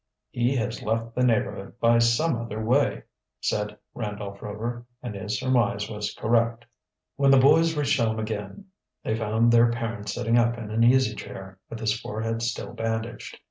"He has left the neighborhood by some other way," said Randolph Rover, and his surmise was correct. When the boys reached home again they found their parent sitting up in an easy chair, with his forehead still bandaged.